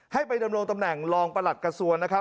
ให้ไปดำรงตำแหน่งรองประหลัดกระทรวงนะครับ